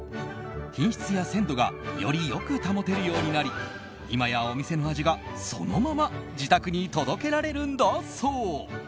品質や鮮度がより良く保てるようになり今やお店の味がそのまま自宅に届けられるんだそう。